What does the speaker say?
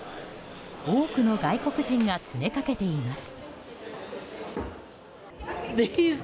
多くの外国人が詰めかけています。